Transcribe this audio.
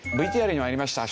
ＶＴＲにもありました。